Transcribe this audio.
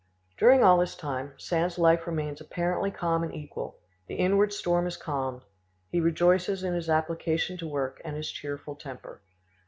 During all this time Sand's life remains apparently calm and equal; the inward storm is calmed; he rejoices in his application to work and his cheerful temper.